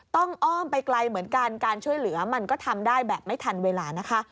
อ้อมไปไกลเหมือนกันการช่วยเหลือมันก็ทำได้แบบไม่ทันเวลานะคะ